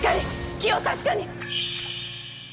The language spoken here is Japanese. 気を確かに！